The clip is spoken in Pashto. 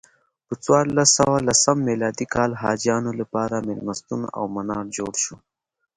په څوارلس سوه لسم میلادي کال حاجیانو لپاره میلمستون او منار جوړ شو.